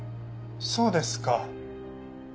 そうですか。